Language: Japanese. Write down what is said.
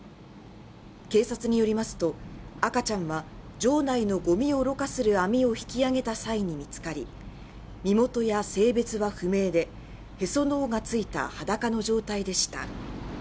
警察によりますと赤ちゃんは場内のごみをろ過する網を引き上げた際に見つかり身元や性別は不明でへその緒がついた裸の状態でした。